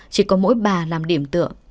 chỉ có mỗi bà làm điểm tựa